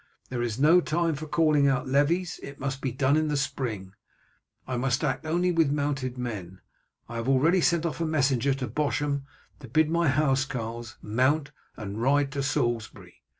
There is no time for calling out levies, that must be done in the spring. I must act only with mounted men. I have already sent off a messenger to Bosham to bid my housecarls mount and ride to Salisbury.